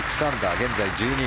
現在１２位